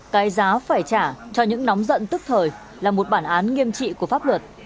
cái giá phải trả cho những nóng giận tức thời là một bản án nghiêm trị của pháp luật